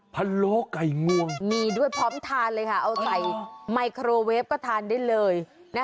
ะโล้ไก่งวงมีด้วยพร้อมทานเลยค่ะเอาใส่ไมโครเวฟก็ทานได้เลย